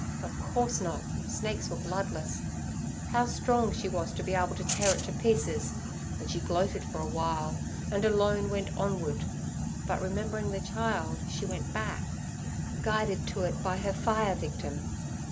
Of course not: snakes were bloodless. How strong she was to be able to tear it to pieces, and she gloated for a while, and alone went onward; but remembering the child, she went back, guided to it by her fibre victim.